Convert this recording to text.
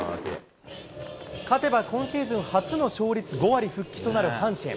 勝てば今シーズン初の勝率５割復帰となる阪神。